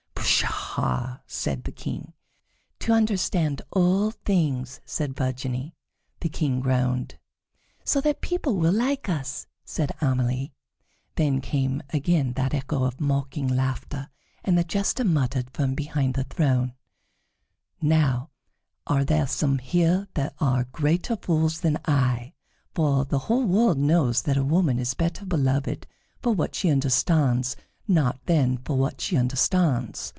"Pshaw!" said the King. "To understand all things," said Virginie. The King groaned. "So that people will like us," said Amelie. Then came again that echo of mocking laughter, and the Jester muttered from behind the throne: "Now are there some here that are greater fools than I; for the whole world knows that a woman is better beloved for what she understands not than for what she understands."